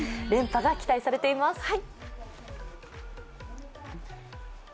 連覇が期待されています。